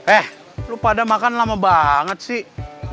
eh lo pada makan lama banget sih